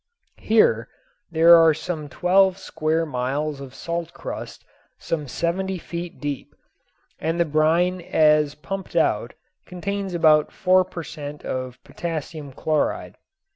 Here there are some twelve square miles of salt crust some seventy feet deep and the brine as pumped out contains about four per cent. of potassium chloride.